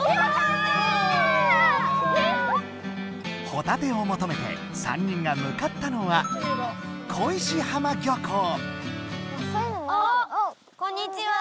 ほたてをもとめて３人が向かったのはあっこんにちは。